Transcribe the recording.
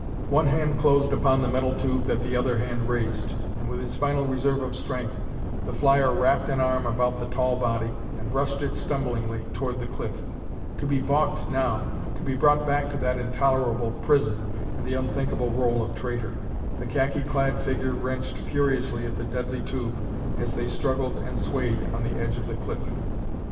One hand closed upon the metal tube that the other hand raised, and, with his final reserve of strength, the flyer wrapped an arm about the tall body and rushed it stumblingly toward the cliff. To be balked now! to be brought back to that intolerable prison and the unthinkable role of traitor! The khaki clad figure wrenched furiously at the deadly tube as they struggled and swayed on the edge of the cliff.